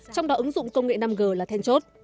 trong đó ứng dụng công nghệ năm g là then chốt